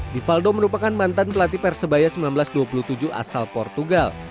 divaldo merupakan mantan pelatih persebaya seribu sembilan ratus dua puluh tujuh asal portugal